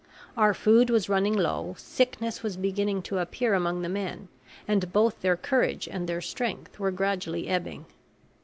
Our food was running low, sickness was beginning to appear among the men, and both their courage and their strength were gradually ebbing.